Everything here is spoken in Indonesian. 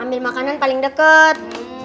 ambil makanan paling deket